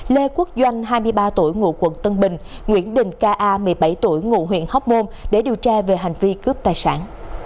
lê quốc doanh hai mươi ba tuổi ngụ quận tân bình nguyễn đình k a một mươi bảy tuổi ngụ huyện hóc môn để điều tra về hành vi cướp tài sản